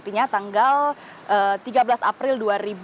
artinya tanggal tiga belas april dua ribu dua puluh